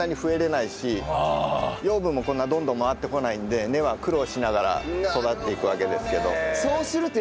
養分もこんなどんどん回ってこないので根は苦労しながら育っていくわけですけど。